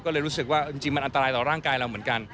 ก็เลยรู้สึกว่าจริงมันอันตรายต่อร่างกายเราเหมือนกัน